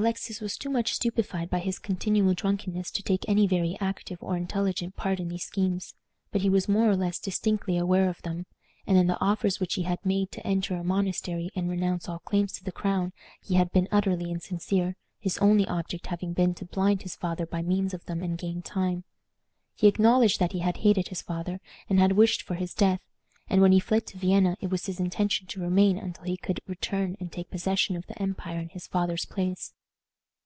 Alexis was too much stupefied by his continual drunkenness to take any very active or intelligent part in these schemes, but he was more or less distinctly aware of them; and in the offers which he had made to enter a monastery and renounce all claims to the crown he had been utterly insincere, his only object having been to blind his father by means of them and gain time. He acknowledged that he had hated his father, and had wished for his death, and when he fled to Vienna it was his intention to remain until he could return and take possession of the empire in his father's place.